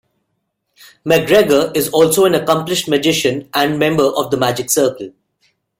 MacGregor is also an accomplished magician and member of The Magic Circle.